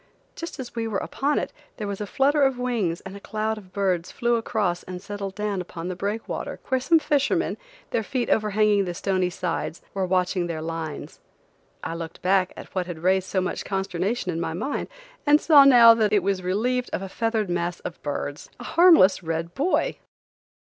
Just as we were upon it, there was a flutter of wings and a cloud of birds flew across and settled down upon the breakwater, where some fishermen, their feet overhanging the stony sides, were watching their lines. I looked back at what had raised so much consternation in my mind, and saw now that it was relieved of a feathered mass off birds,–a harmless red buoy!